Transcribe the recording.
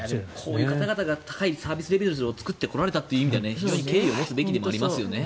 こういう方々が高いサービスレベルを作ってこられたと考えると非常に敬意を持つべきでもありますよね。